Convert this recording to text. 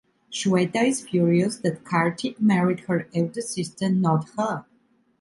Shweta is furious that Kartik married her elder sister not her.